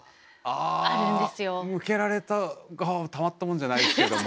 向けられた側はたまったもんじゃないですけども。